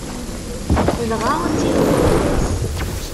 Dɣa ttihin fell-as.